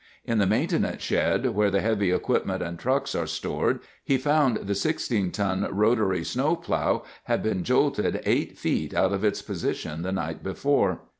In the maintenance shed, where the heavy equipment and trucks are stored, he found the 16 ton rotary snowplow had been jolted eight feet out of its position the night before.